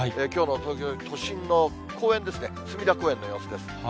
きょうの東京都心の公園ですね、隅田公園の様子です。